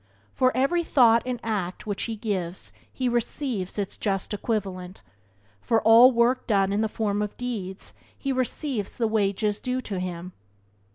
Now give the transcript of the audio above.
For every thought and act which he gives he receives its just equivalent; for all work done in the form of deeds he receives the wages due to him.